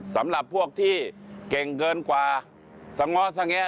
สำหรับพวกที่เก่งเกินกว่าสง้อสงแงะ